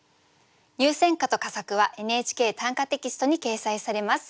入選歌と佳作は「ＮＨＫ短歌」テキストに掲載されます。